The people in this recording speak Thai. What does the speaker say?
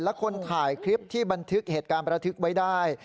และคนถ่ายคลิปที่บันทึกเหตุการณ์ประทึกไว้ได้